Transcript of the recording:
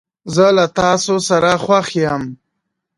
زه له تاسو سره خوښ یم.